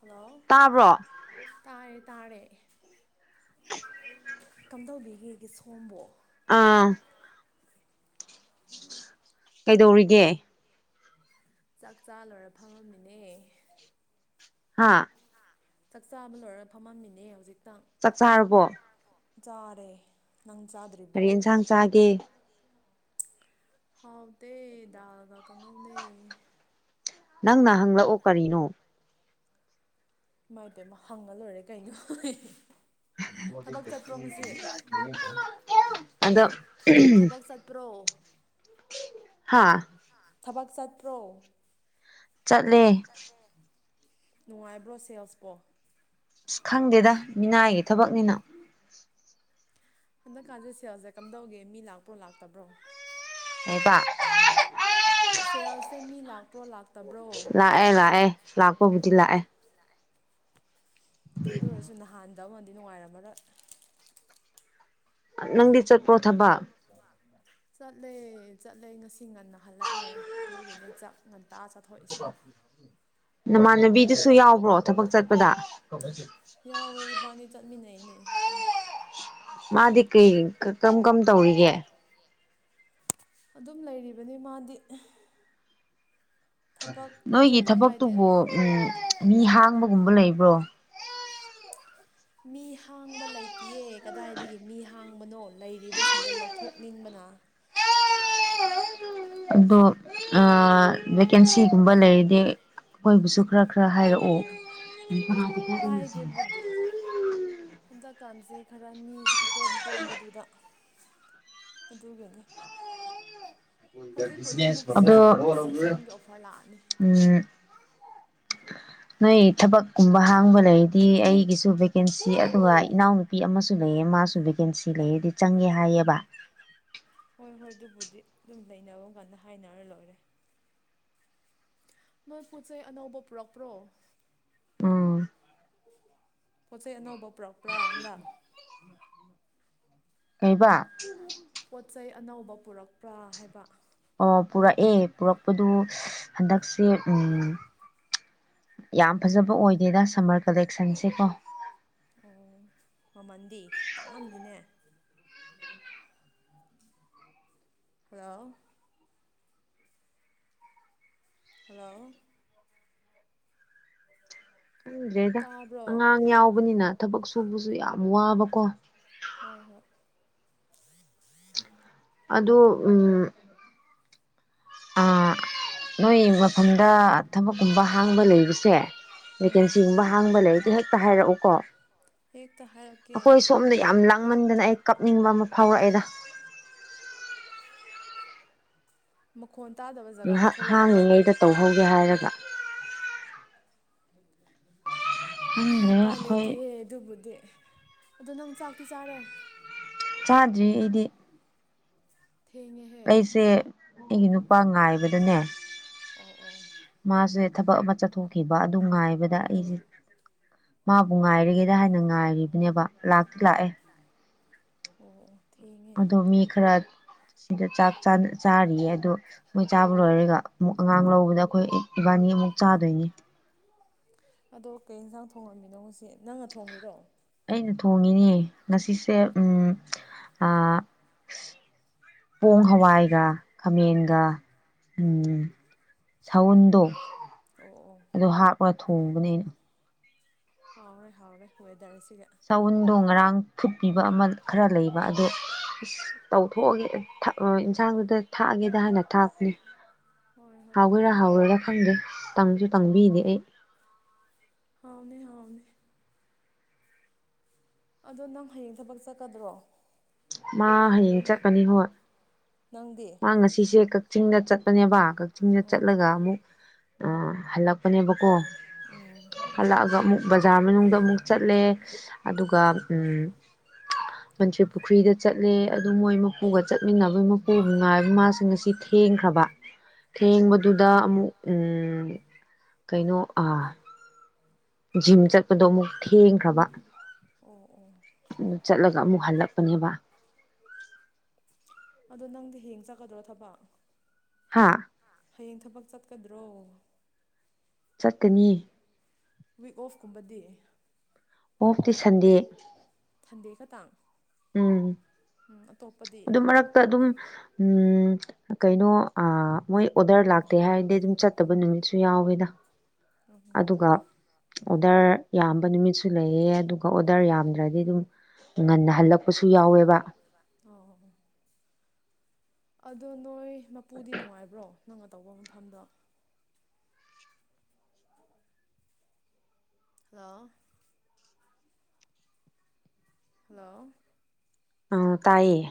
Hello ꯇꯥꯕ꯭ꯔꯣ ꯇꯥꯔꯦ ꯇꯥꯔꯦ ꯀꯝꯗꯧꯕꯤꯔꯤꯒꯦ ꯁꯣꯝꯕꯣ ꯑꯥ꯫ ꯀꯩꯗꯧꯔꯤꯒꯦ꯫ ꯆꯥꯛ ꯆꯥ ꯂꯣꯏꯔ ꯐꯝꯃꯝꯃꯤꯅꯦ꯫ ꯍꯥꯥ꯫ ꯆꯥꯛꯆꯥꯥ ꯑꯃ ꯂꯣꯏꯔꯒ ꯐꯝꯃꯝꯃꯤꯅꯦ ꯍꯧꯖꯤꯛꯇꯪ꯫ ꯆꯥꯛ ꯆꯥꯔꯕꯣ ꯆꯥꯔꯦ ꯅꯪ ꯆꯥꯗ꯭ꯔꯤꯕꯣ꯫ ꯀꯔꯤ ꯌꯦꯟꯁꯥꯡ ꯆꯥꯒꯦ ꯍꯥꯎꯇꯦ ꯗꯥꯜꯒ ꯀꯪꯉꯥꯎꯅꯦ꯫ ꯅꯪꯅ ꯍꯪꯂꯛꯑꯣ ꯀꯔꯤꯅꯣ꯫ ꯏꯃꯥꯏ ꯏꯄꯦꯃ ꯍꯪꯉ ꯂꯣꯏꯔꯦ ꯀꯩꯅꯣ ꯊꯕꯛ ꯆꯠꯇꯄ꯭ꯔꯣ ꯉꯁꯤ꯫ ꯑꯗꫭ ꯊꯕꯛ ꯆꯠꯄ꯭ꯔꯣ꯫ ꯍꯥꯥ꯫ ꯊꯕꯛ ꯆꯠꯇ꯭ꯔꯣ ꯆꯠꯂꯦ ꯆꯠꯂꯦ꯫ ꯅꯨꯡꯉꯥꯏꯕ꯭ꯔꯣ ꯁꯦꯜꯁꯄꯣ꯫ ꯑꯁ ꯈꯪꯗꯦꯗ ꯃꯤꯅꯥꯏꯒꯤ ꯊꯕꯛꯅꯤꯅ꯫ ꯍꯟꯗꯛꯀꯥꯟꯁꯦ ꯁꯦꯜꯁꯦ ꯀꯝꯗꯧꯒꯦ ꯃꯤ ꯂꯥꯛꯄ꯭ꯔꯣ ꯂꯥꯛꯇꯕ꯭ꯔꯣ꯫ [inaudible] ꯁꯦꯜꯁꯦ ꯃꯤ ꯂꯥꯛꯄ꯭ꯔꯣ ꯂꯥꯛꯇꯕ꯭ꯔꯣ꯫ ꯑꯥꯏ ꯂꯥꯛꯑꯦ ꯂꯥꯛꯄꯕꯨꯗꯤ ꯂꯥꯛꯑꯦ꯫ ꯑꯗꯨ ꯑꯣꯏꯔꯁꯨ ꯅꯍꯥꯟꯗ ꯑꯃꯗꯤ ꯅꯨꯡꯉꯥꯏꯔꯝꯃꯔꫭꯏ꯫ ꯅꯪꯗꯤ ꯆꯠꯄ꯭ꯔꯣ ꯊꯕꯛ꯫ ꯆꯠꯂꯦ ꯆꯠꯂꯦ ꯉꯁꯤ ꯉꯟꯅ ꯍꯜꯂꯛꯑꯦ ꯑꯗꯨꯒꯤꯅꯦ ꯆꯥꯛ ꯉꯟ ꯅꯃꯥꯟꯅꯕꯤꯗꯨꯁꯨ ꯌꯥꯎꯕ꯭ꯔꯣ ꯊꯕꯛ ꯆꯠꯄꯗ꯫ ꯌꯥꯎꯋꯦ ꯏꯕꯥꯅꯤ ꯆꯠꯃꯤꯟꯅꯩꯅꯦ꯫ ꯃꯥꯗꯤ ꯀꯩ ꯀꯔꯝ ꯀꯔꯝ ꯇꯧꯔꯤꯒꯦ꯫ ꯑꯗꯨꯝ ꯂꯩꯔꯤꯕꯅꯤ ꯃꯥꯗꯤ꯫ ꯊꯕꯛ ꯅꯣꯏꯒꯤ ꯑꯇꯣꯞꯄ ꯄꯥꯏꯗꯦ ꯊꯕꯛꯇꯨꯕꯨ ꯎꯝ ꯃꯤ ꯍꯥꯡꯕꯒꯨꯝꯕ ꯂꯩꯕ꯭ꯔꯣ꯫ ꯃꯤ ꯍꯥꯡꯕ ꯂꯩꯇꯏꯌꯦ ꯀꯗꯥꯏꯗꯒꯤ ꯃꯤ ꯍꯥꯡꯕꯅꯣ ꯂꯩꯔꯤꯕꯁꯤꯡꯗꯣ ꯂꯧꯊꯣꯛꯅꯤꯡꯕꯅ꯫ ꯑꯗꯣ ꯑꯥ ꯚꯦꯀꯦꯟꯁꯤꯒꯨꯝꯕ ꯂꯩꯔꯗꯤ꯫ ꯑꯩꯈꯣꯏꯕꯨꯁꯨ ꯈꯔ ꯈꯔ ꯍꯥꯏꯔꯛꯑꯣ꯫ [inaudible] ꯍꯥꯏꯒꯦꯕꯨꯗꯤ꯫ ꯍꯟꯗꯛꯀꯥꯟꯁꯦ ꯈꯔ ꯃꯤꯁꯦ ꯏꯀꯣꯝ ꯀꯣꯝꯕꯗꯨꯗ꯫ ꯑꯗꯨꯒꯅꯦ꯫ ꯍꯧꯖꯤꯛꯄꯨꯗꯤ ꯑꯃꯨꯛ ꯑꯗꯣ ꯁꯤꯖꯟ ꯁꯤꯖꯟꯒꯤ ꯑꯣꯐꯔ ꯂꯥꯛꯑꯅꯤ꯫ ꯎꯝ ꯅꯣꯏ ꯊꯕꯛꯀꯨꯝꯕ ꯍꯥꯡꯕ ꯂꯩ ꯗꯤ ꯑꯩꯒꯤꯁꯨ ꯚꯦꯀꯦꯟꯁꯤ ꯑꯗꯨꯒ ꯏꯅꯥꯎꯅꯨꯄꯤ ꯑꯃꯁꯨ ꯂꯩꯌꯦ ꯃꯥꯁꯨ ꯚꯦꯀꯦꯟꯁꯤ ꯂꯩꯌꯦꯗꯤ ꯆꯪꯉꯦ ꯍꯥꯏꯌꯦꯕ꯫ ꯍꯣꯏ ꯍꯣꯏ ꯑꯗꯨꯕꯨꯗꯤ ꯑꯗꯨꯝ ꯂꯩꯅꯕ ꯀꯥꯟꯗ ꯍꯥꯏꯅꯔ ꯂꯣꯏꯔꯦ꯫ ꯅꯣꯏ ꯄꯣꯠꯆꯩ ꯑꯅꯧꯕ ꯄꯨꯔꯛꯄ꯭ꯔꯣ꯫ ꯎꯝ ꯄꯣꯠꯆ ꯆꯩ ꯑꯅꯧꯕ ꯄꯨꯔꯛꯄ꯭ꯔꯥ ꯍꯟꯗꯛ꯫ ꯀꯩꯕꯥ꯫ ꯄꯣꯠꯆꯩ ꯑꯅꯧꯕ ꯄꯨꯔꯛꯄ꯭ꯔꯥ ꯍꯥꯏꯕ꯫ ꯑꯣ ꯄꯨꯔꯛꯑꯦ ꯄꯨꯔꯛꯄꯗꯨ ꯍꯟꯗꯛꯁꯦ ꯎꯝ ꯌꯥꯝ ꯐꯖꯕ ꯑꯣꯏꯗꯦꯗ ꯁꯝꯃꯔ ꯀꯂꯦꯛꯁꯟꯁꯦ ꯀꯣ꯫ ꯑꯣ ꯃꯃꯟꯗꯤ ꯇꯥꯛꯉꯝꯅꯤꯅꯦ꯫ ꯍꯜꯂꯣ꯫ ꯍꯜꯂꯣ ꯈꯪꯗ꯭ꯔꯦꯗ ꯇꯥꯕ꯭ꯔꯣ ꯑꯉꯥꯡ ꯌꯥꯎꯕꯅꯤꯅ ꯊꯕꯛ ꯁꯨꯕꯁꯨ ꯌꯥꯝ ꯋꯥꯕꯀꯣ ꯍꯣꯏ ꯍꯣꯏ ꯑꯗꯣ ꯎꯝ, ꯑꯥ ꯅꯣꯏ ꯃꯐꯝꯗ ꯊꯕꯛꯀꯨꯝꯕ ꯍꯥꯡꯕ ꯂꯩꯕꯁꯦ, ꯕꯦꯀꯦꯟꯁꯤꯒꯨꯝꯕ ꯍꯥꯡꯕ ꯂꯩꯔꯗꯤ ꯍꯦꯛꯇ ꯍꯥꯏꯔꯛꯎ ꯀꯣ ꯍꯦꯛꯇ ꯍꯥꯏꯔꯛꯀꯦ ꯑꯩꯈꯣꯏ ꯁꯣꯝꯗ ꯌꯥꯝ ꯂꯥꯡꯃꯟꯗꯅ ꯑꯩ ꯀꯞꯅꯤꯡꯕ ꯑꯃ ꯐꯥꯎꯔꯛꯑꯦꯗ꯫ ꯃꯈꯣꯟ ꯇꯥꯗꯕ ꯖꯒꯥꯗ ꯉꯥꯏꯍꯥꯛ ꯊꯣꯛꯂꯛꯎ ꯀꯩꯅꯣ꯫ ꯍꯥꯡꯉꯤꯉꯩꯗ ꯇꯧꯍꯧꯒꯦ ꯍꯥꯏꯔꯒ ꯈꯪꯗ꯭ꯔꯦ ꯎꯄꯥꯏ ꯑꯩꯈꯣꯏ ꯂꯩꯇꯦꯌꯦ ꯑꯗꯨꯕꯨꯗꯤ, ꯑꯗꯣ ꯅꯪ ꯆꯥꯛꯇꯤ ꯆꯥꯔꯦ? ꯆꯥꯗ꯭ꯔꯤ ꯑꯩꯗꯤ꯫ ꯊꯦꯡꯉꯦꯍꯦ ꯑꯩꯁꯦ ꯑꯩꯒꯤ ꯅꯨꯄꯥ ꯉꯥꯏꯕꯗꯅꯦ, ꯑꯣ ꯑꯣ ꯃꯥꯁꯦ ꯊꯕꯛ ꯑꯃ ꯆꯠꯊꯣꯛꯈꯤꯕ ꯑꯗꯨ ꯉꯥꯏꯕꯗ ꯑꯩꯁꯦ, ꯃꯥꯕꯨ ꯉꯥꯏꯔꯒꯦꯗ ꯍꯥꯏꯅ ꯉꯥꯏꯔꯤꯕꯅꯦꯕ ꯂꯥꯛꯇꯤ ꯂꯥꯛꯑꯦ꯫ ꯑꯣ ꯑꯣ ꯊꯦꯡꯉꯦ ꯑꯗꯣ ꯃꯤ ꯈꯔ ꯁꯤꯗ ꯆꯥꯛ ꯆꯥꯔꯤꯌꯦ ꯑꯗꯣ, ꯃꯣꯏ ꯆꯥꯕ ꯂꯣꯏꯔꯒ ꯑꯃꯨꯛ ꯑꯉꯥꯡ ꯂꯧꯕꯗ ꯑꯩꯈꯣꯏ ꯏꯕꯥꯅꯤ ꯑꯃꯨꯛ ꯆꯥꯗꯣꯏꯅꯤ꯫ ꯑꯗꯣ ꯀꯩ ꯌꯦꯟꯁꯥꯡ ꯊꯣꯡꯉꯝꯃꯤꯅꯣ ꯉꯁꯤ, ꯅꯪꯅ ꯊꯣꯡꯉꯤꯔꯣ? ꯑꯩꯅ ꯊꯣꯡꯉꯤꯅꯦ ꯉꯁꯤꯁꯦ ꯎꯝ ꯑꯥ ꯄꯣꯡ ꯍꯋꯥꯏꯒ ꯈꯥꯃꯦꯟ ꯎꯝ ꯁꯥꯎꯟꯗꯣ꯫ ꯑꯣ ꯑꯣ ꯑꯗꯣ ꯍꯥꯞꯔ ꯊꯣꯡꯕꯅꯦ ꯑꯩꯅ꯫ ꯍꯥꯎꯔꯦ ꯍꯥꯎꯔꯦ ꯋꯦꯗꯔꯁꯤꯒ꯫ ꯆꯎꯟꯗꯣ ꯉꯔꯥꯡ ꯐꯨꯠꯄꯤꯕ ꯑꯃ ꯈꯔ ꯂꯩꯕ ꯑꯗꯣ, ꯇꯧꯊꯣꯛꯑꯒꯦ ꯏꯟꯁꯥꯡꯗꯨꯗ ꯊꯥꯛꯑꯒꯦꯗ ꯍꯥꯏꯅ ꯊꯥꯛꯄꯅꯤ꯫ ꯍꯣꯏ ꯍꯣꯏ ꯐꯩ ꯍꯥꯎꯒꯦꯔꯥ ꯐꯩ ꯍꯥꯎꯔꯣꯏꯔꯥ ꯈꯪꯗꯦ ꯇꯪꯁꯨ ꯇꯪꯕꯤꯗꯤ ꯑꯩ꯫ ꯍꯥꯎꯅꯦ ꯍꯥꯎꯅꯦ ꯑꯗꯣ ꯅꯪ ꯍꯌꯦꯡ ꯊꯕꯛ ꯆꯠꯀꯗ꯭ꯔꯣ? ꯃꯥ ꯍꯌꯦꯡ ꯆꯠꯀꯅꯤ ꯍꯣꯏ꯫ ꯅꯪꯗꯤ ꯃꯥ ꯉꯁꯤꯁꯦ ꯀꯛꯆꯤꯡꯗ ꯆꯠꯄꯅꯦꯕ ꯀꯛꯆꯤꯡꯗ ꯎꯝ ꯆꯠꯂꯒ ꯑꯃꯨꯛ ꯑ ꯍꯜꯂꯛꯄꯅꯦꯕ ꯀꯣ꯫ ꯎꯝ ꯍꯜꯂꯛꯑꯒ ꯑꯃꯨꯛ ꯕꯖꯥꯔ ꯃꯅꯨꯡꯗ ꯑꯃꯨꯛ ꯆꯠꯂꯦ ꯑꯗꯨꯒ, ꯃꯟꯇ꯭ꯔꯤ ꯄꯨꯈ꯭ꯔꯤꯗ ꯆꯠꯂꯦ ꯑꯗꯨ ꯃꯣꯏ ꯃꯄꯨꯒ ꯆꯠꯃꯤꯟꯅꯕꯩ ꯃꯄꯨ ꯉꯥꯏꯕ ꯃꯥꯁꯤ ꯑꯁꯤ ꯊꯦꯡꯈ꯭ꯔꯕ ꯑꯣ ꯊꯦꯡꯕꯗꯨ ꯗ ꯑꯃꯨꯛ ꯎꯝ ꯀꯩꯅꯣ ꯑꯥ ꯖꯤꯝ ꯆꯠꯄꯗꯣ ꯑꯃꯨꯛ ꯊꯦꯡꯈ꯭ꯔꯕ꯫ ꯑꯣ ꯑꯣ ꯑꯗꯨ ꯆꯠꯂꯒ ꯑꯃꯨꯛ ꯍꯜꯂꯛꯄꯅꯦꯕ꯫ ꯑꯗꯣ ꯅꯪꯗꯤ ꯍꯌꯦꯡ ꯆꯠꯀꯗ꯭ꯔꯣ ꯊꯕꯛ? ꯍꯥꯥ ꯍꯌꯦꯡ ꯊꯕꯛ ꯆꯠꯀꯗ꯭ꯔꯣ? ꯆꯠꯀꯅꯤ꯫ ꯋꯤꯛ ꯑꯣꯐꯀꯨꯝꯕꯗꯤ ꯑꯣꯐꯇꯤ ꯁꯟꯗꯦ ꯊꯟꯗꯦ ꯈꯇꯥꯡ ꯎꯝ ꯑꯗꯨ ꯃꯔꯛꯇ ꯑꯗꯨꯝ ꯎꯝ ꯀꯩꯅꯣ ꯑꯥ ꯃꯣꯏ ꯑꯣꯗꯔ ꯂꯥꯛꯇꯦ ꯍꯥꯏꯔꯗꯤ ꯑꯗꯨꯝ ꯆꯠꯇꯕ ꯅꯨꯃꯤꯠꯁꯨ ꯌꯥꯎꯋꯦꯗ ꯎꯝ ꯑꯗꯨꯒ ꯑꯣꯗꯔ ꯌꯥꯝꯕ ꯅꯨꯃꯤꯠꯁꯨ ꯂꯩꯌꯦ ꯑꯗꯨꯒ ꯑꯣꯔꯗꯔ ꯌꯥꯝꯗ꯭ꯔꯗꯤ ꯑꯗꯨꯝ ꯉꯟꯅ ꯍꯜꯂꯛ [inaudible] ꯑꯣ ꯑꯣ ꯑꯣ ꯑꯗꯣ ꯅꯣꯏ ꯃꯄꯨꯗꯤ ꯅꯨꯡꯉꯥꯏꯕ꯭ꯔꯣ ꯅꯪꯅ ꯇꯧꯕ ꯃꯐꯝꯗꯣ ꯍꯜꯂꯣ ꯍꯜꯂꯣ ꯑ ꯇꯥꯏꯌꯦ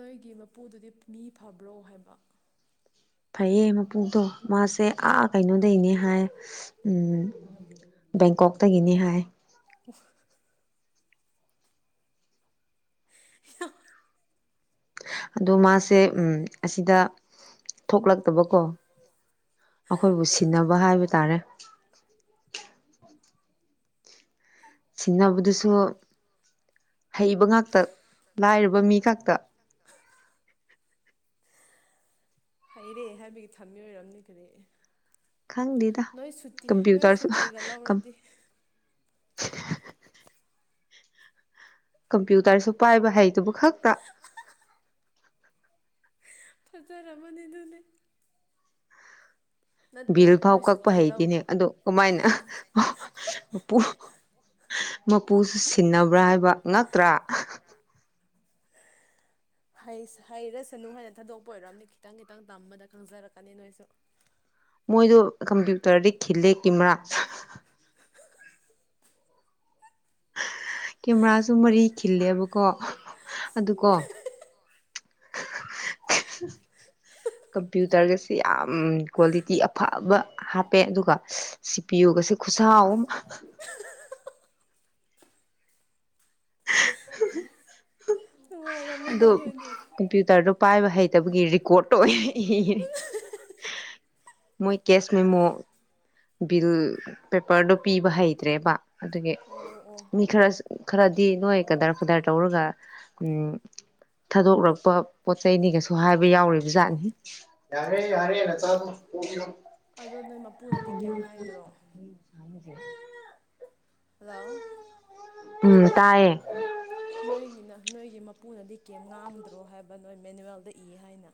ꯅꯣꯏꯒꯤ ꯃꯄꯨꯗꯨꯗꯤ ꯃꯤ ꯐꯕ꯭ꯔꯣ ꯍꯥꯏꯕ ꯐꯩꯌꯦ ꯃꯄꯨꯇꯣ ꯃꯥꯁꯦ ꯑꯥ ꯀꯩꯅꯣꯗꯩꯅꯦ ꯍꯥꯏ ꯎꯝ ꯕꯦꯡꯀꯣꯛꯇꯒꯤꯅꯤ ꯍꯥꯏ [unintelligible] [unintelligible] ꯑꯗꯣ ꯃꯥꯁꯦ ꯎꯝ ꯑꯁꯤꯗ ꯊꯣꯛꯂꯛꯇꯕꯀꯣ ꯑꯩꯈꯣꯏꯕꯨ ꯁꯤꯟꯅꯕ ꯍꯥꯏꯕ ꯇꯥꯔꯦ ꯁꯤꯟꯅꯕꯗꯨꯁꯨ ꯍꯩꯕ ꯉꯥꯛꯇ ꯂꯥꯏꯔꯕ ꯃꯤ ꯈꯛꯇ ꯍꯩꯔꯦ ꯍꯥꯏꯕꯒꯤ ꯊꯝꯃꯤ ꯑꯣꯏꯔꯝꯅꯦ ꯀꯔꯤ ꯈꯪꯗꯦꯗ ꯅꯣꯏ ꯁꯨꯇꯤ ꯅꯣꯏ ꯀꯝꯄ꯭ꯌꯨꯇꯔꯁꯨ ꯁꯨꯇꯤꯒ ꯂꯧꯔꯗꯤ ꯀꯝꯄ꯭ꯌꯨꯇꯔꯁꯨ ꯄꯥꯏꯕ ꯍꯩꯗꯨꯕꯨ ꯈꯛꯇ ꯐꯖꯔꯃꯅꯤ ꯑꯗꯨꯗꯤ ꯅꯠꯇꯦ ꯚꯤꯜ ꯐꯥꯎ ꯅꯣꯏ ꯀꯛꯄ ꯁꯨꯇꯤ ꯂꯧ ꯍꯩꯇꯦꯅꯦ ꯑꯗꯣ ꯀꯃꯥꯏꯅ ꯃꯄꯨ ꯃꯄꯨꯁꯨ ꯁꯤꯟꯅꯕ꯭ꯔꯥ ꯍꯥꯏꯕ ꯉꯛꯇ꯭ꯔꯥ ꯍꯩꯁ ꯍꯩꯔꯁꯅꯨ ꯍꯥꯏꯅ ꯊꯥꯗꯣꯛꯄ ꯑꯣꯏꯔꯝꯅꯦ ꯈꯤꯇꯪ ꯈꯤꯇꯪ ꯇꯝꯕꯗ ꯈꯪꯖꯔꯛꯀꯅꯤ ꯅꯣꯏꯁꯨ ꯃꯣꯏꯗꯣ ꯀꯝꯄ꯭ꯌꯨꯇꯔꯗꯤ ꯈꯤꯜꯂꯦ ꯀꯦꯃꯦꯔꯥ [unintelligible] ꯀꯦꯃꯦꯔꯥꯁꯨ ꯃꯔꯤ ꯈꯤꯜꯂꯦꯕꯀꯣ ꯑꯗꯨꯀꯣ ꯀꯣ [unintelligible] ꯀꯝꯄ꯭ꯌꯨꯇꯔꯒꯁꯦ ꯌꯥꯝ ꯀ꯭ꯋꯥꯂꯤꯇꯤ ꯑꯐꯕ ꯍꯥꯞꯄꯦ ꯑꯗꯨꯒ ꯁꯤ ꯄꯤꯌꯨꯒꯁꯦ ꯈꯨꯠꯁꯥꯎꯝ [unintelligible] ꯅꯨꯡꯉꯥꯏꯔꯝꯅꯤꯗ ꯑꯗꯣ ꯅꯣꯏꯗꯤ ꯀꯝꯄ꯭ꯌꯨꯇꯔꯗꯣ ꯄꯥꯏꯕ ꯍꯩꯇꯕꯒꯤ ꯔꯦꯀꯣꯔꯠꯇꯣ ꯑꯣꯏꯅ ꯏꯔꯦ ꯃꯣꯏ ꯀꯦꯁ ꯃꯦꯃꯣ ꯕꯤꯜ ꯄꯦꯄꯔꯗꯣ ꯄꯤꯕ ꯍꯩꯇ꯭ꯔꯦꯕ ꯑꯗꯨꯒꯤ ꯑꯣ ꯑꯣ ꯃꯤ ꯈꯔ ꯈꯔꯗꯤ ꯅꯣꯏ ꯀꯗꯔ ꯐꯗꯔ ꯇꯧꯔꯒ ꯎꯝ ꯊꯥꯗꯣꯛꯂꯛꯄ ꯄꯣꯠ ꯆꯩꯩꯅꯤꯒꯁꯨ ꯍꯥꯏꯕ ꯌꯥꯎꯔꯤꯕ ꯖꯥꯠꯅꯤ ꯌꯥꯔꯦ ꯌꯥꯔꯦ ꯑꯆꯥꯄꯣꯠ [inaudible] ꯑꯗꯣ ꯅꯣꯏ ꯃꯄꯨꯅꯗꯤ ꯀꯩꯝ ꯍꯥꯏꯗ꯭ꯔꯣ [unintelligible] ꯍꯜꯂꯣ ꯎꯝ ꯇꯥꯏꯌꯦ ꯅꯣꯏꯒꯤꯅ ꯅꯣꯏꯒꯤ ꯃꯄꯨꯅꯗꯤ ꯀꯦꯝ ꯉꯥꯡꯗ꯭ꯔꯣ ꯍꯥꯏꯕ ꯅꯣꯏ ꯃꯦꯅꯨꯋꯦꯜꯗ ꯏ ꯍꯥꯏꯅ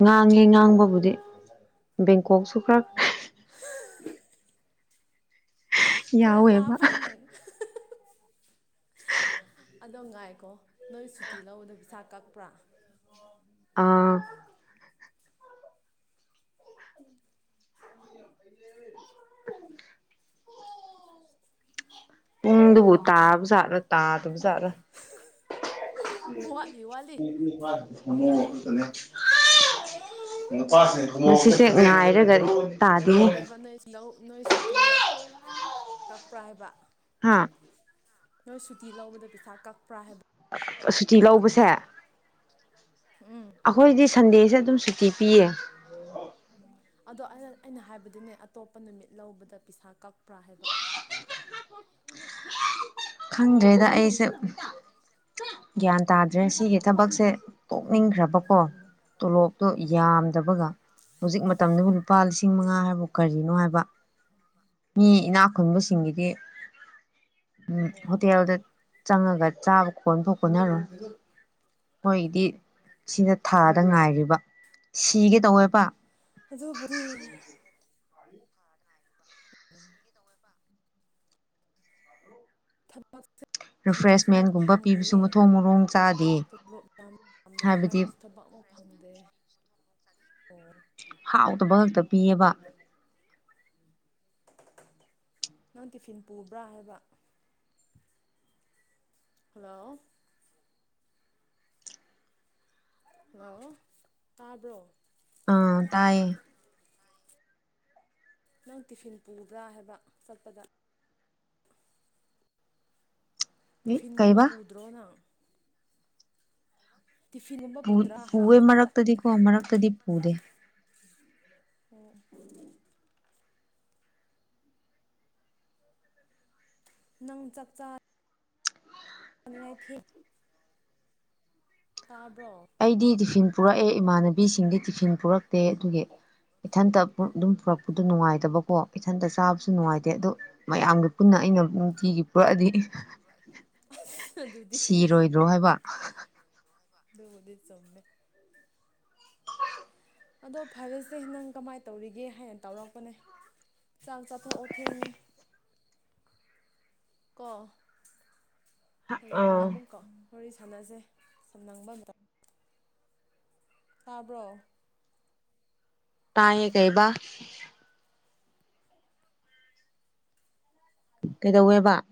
ꯉꯥꯡꯉꯦ ꯉꯥꯡꯕꯕꯨꯗꯤ ꯕꯦꯡꯀꯣꯛꯁꯨ ꯈꯔ ꯈꯔ ꯌꯥꯎꯋꯦꯕ ꯂꯥꯞꯄꯅꯤꯅ ꯑꯗꯣ ꯉꯥꯏꯀꯣ ꯅꯣꯏ ꯁꯨꯇꯤ ꯂꯧꯕꯗ ꯄꯩꯁꯥ ꯀꯛꯄ꯭ꯔꯥ ꯑꯥ [inaudible] ꯄꯝꯗꯨꯕꯨ ꯍꯜꯂꯣ ꯇꯥꯕ ꯖꯥꯠꯂ ꯇꯥꯗꯕ ꯖꯥꯠꯂ ꯋꯥꯠꯂꯤ ꯋꯥꯠꯂꯤ ꯉꯁꯤꯁꯦ ꯉꯥꯏꯔꯒ ꯇꯥꯗꯦꯍꯦ ꯅꯠꯇꯦꯕ ꯅꯣꯏ ꯅꯣꯏ ꯁꯨꯇꯤ ꯀꯛꯄ꯭ꯔꯥ ꯍꯥꯏꯕ ꯍꯥ ꯅꯣꯏ ꯁꯨꯇꯤ ꯂꯧꯕꯗ ꯄꯩꯁꯥ ꯀꯛꯄ꯭ꯔꯥ ꯍꯥꯏꯕ ꯁꯨꯇꯤ ꯂꯧꯕꯁꯦ ꯑꯩꯈꯣꯏꯗꯤ ꯁꯟꯗꯦꯁꯦ ꯑꯗꯨꯝ ꯁꯨꯇꯤ ꯑꯩꯈꯣꯏ ꯄꯤꯌꯦ ꯁꯟꯗꯦꯁꯦ ꯑꯗꯨꯝ ꯁꯨꯇꯤ ꯄꯤꯌꯦ ꯑꯗꯣ ꯑꯩꯅ ꯍꯥꯏꯕꯗꯤꯅꯦ ꯑꯇꯣꯞꯄ ꯅꯨꯃꯤꯠ ꯂꯧꯕꯗ ꯄꯩꯁꯥ ꯀꯛꯄ꯭ꯔꯥ ꯍꯥꯏꯕ ꯈꯪꯗ꯭ꯔꯦꯗ ꯑꯩꯁꯦ ꯈꯪꯗꯔꯦꯗ ꯑꯩꯁꯦ ꯒ꯭ꯌꯥꯟ ꯇꯥꯗ꯭ꯔꯦ ꯁꯤꯒꯤ ꯊꯕꯛꯁꯦ ꯇꯣꯛꯅꯤꯡꯈ꯭ꯔꯕꯀꯣ ꯇꯣꯂꯣꯞꯇꯣ ꯌꯥꯝꯗꯕꯒ ꯍꯧꯖꯤꯛ ꯃꯇꯝꯗꯨꯕꯨ ꯂꯨꯄꯥ ꯂꯤꯁꯤꯡ ꯃꯉꯥ ꯍꯥꯏꯕꯨ ꯀꯔꯤꯅꯣ ꯍꯥꯏꯕ ꯃꯤ ꯏꯅꯥꯛ ꯈꯨꯨꯟꯕꯁꯤꯡꯒꯤꯗꯤ ꯎꯝ ꯑꯣ ꯍꯣꯇꯦꯜꯗ ꯆꯪꯉꯒ ꯆꯥꯕ ꯀꯣꯟꯐꯎ ꯀꯣꯟꯅꯔꯣꯏ ꯃꯣꯏꯗꯤ ꯁꯤꯅ ꯊꯥꯗ ꯉꯥꯏꯔꯤꯕ ꯁꯤꯒꯦ ꯇꯧꯋꯦꯕ ꯑꯗꯨꯕꯨꯗꯤ ꯊꯃ [inaudible] ꯊꯤꯔꯁꯨ ꯑꯃꯨꯛ ꯔꯤꯐ꯭ꯔꯦꯁꯃꯦꯟꯒꯨꯝꯕ ꯄꯤꯕꯁꯨ ꯐꯪꯗꯦꯌꯦ ꯃꯊꯣꯡ ꯃꯔꯣꯡ ꯆꯥꯗꯦ ꯇꯣ꯭ꯂꯣꯞ ꯌꯥꯝ ꯌꯥꯝꯗꯕ ꯍꯥꯏꯕꯗꯤ ꯍꯥꯏꯔꯁꯨ ꯊꯕꯛ ꯐꯪꯗ ꯑꯣ ꯍꯥꯎꯇꯕ ꯉꯥꯛꯇ ꯄꯤꯑꯦꯕ ꯅꯪ ꯇꯤꯐꯤꯟ ꯄꯨꯕ꯭ꯔꯥ ꯍꯥꯏꯕ ꯍꯜꯂꯣ ꯍꯜꯂꯣ ꯇꯥꯕ꯭ꯔꯣ ꯑꯥ ꯇꯥꯏꯌꯦ ꯅꯪ ꯇꯤꯐꯤꯟ ꯄꯨꯕ꯭ꯔꯥ ꯍꯥꯏꯕ ꯆꯠꯄꯗ ꯇꯤꯐꯤꯟꯒꯨꯝꯕ ꯀꯩꯕꯥ ꯄꯨꯗ꯭ꯔꯣ ꯅꯪ ꯇꯤꯐꯤꯟꯒꯨꯝꯕ ꯄꯨꯗ꯭ꯔꯥ ꯍꯥꯏꯕ ꯄꯨꯑꯦ ꯆꯠꯄꯗ ꯃꯔꯛꯇꯗꯤ ꯀꯣ ꯃꯔꯛꯇꯗꯤ ꯄꯨꯗꯦ ꯑꯣ ꯅꯪ ꯆꯥꯛ ꯆ ꯄꯥꯅꯤꯡꯉꯥꯏ ꯊꯤ ꯇꯥꯕ꯭ꯔꯣ ꯑꯩꯗꯤ ꯇꯤꯐꯤꯟ ꯄꯨꯔꯛꯑꯦ ꯏꯃꯥꯟꯅꯕꯤꯁꯤꯡꯗꯤ ꯇꯤꯐꯤꯟ ꯄꯨꯔꯛꯇꯦ ꯑꯗꯨꯒꯤ ꯏꯊꯟꯇ ꯑꯗꯨꯝ ꯄꯨꯔꯛꯄꯗ ꯅꯨꯡꯉꯥꯏꯇꯕꯀꯣ ꯏꯊꯟꯇ ꯆꯥꯕꯁꯨ ꯅꯨꯡꯉꯥꯏꯇꯦ ꯑꯗꯣ ꯃꯌꯥꯝꯗꯨ ꯄꯨꯟꯅ ꯑꯩꯅ ꯅꯨꯡꯇꯤꯒꯤ ꯄꯨꯔꯛꯑꯗꯤ ꯑꯁ ꯑꯗꯨꯗꯤ ꯁꯤꯔꯣꯏꯗ꯭ꯔꯣ ꯍꯥꯏꯕ ꯑꯗꯨꯕꯨꯗꯤ ꯆꯧꯃꯦ ꯑꯗꯣ ꯐꯔꯦꯁꯦ ꯅꯪ ꯀꯃꯥꯏꯅ ꯇꯧꯔꯤꯒꯦ ꯍꯥꯏꯅ ꯇꯧꯔꯛꯄꯅꯦ ꯆꯥꯛ ꯆꯊꯣꯛꯑꯣ ꯊꯦꯉꯦ ꯀꯣ ꯍꯌꯦꯡꯕ ꯑꯥ ꯑꯃꯨꯛꯀꯣ ꯋꯥꯔꯤ ꯁꯥꯟꯅꯁꯦ ꯁꯝꯅꯪꯕ ꯃꯇꯝ ꯇꯥꯕ꯭ꯔꯣ ꯇꯥꯏꯌꯦ ꯀꯩꯕ ꯀꯩꯗꯧ ꯋꯦꯕ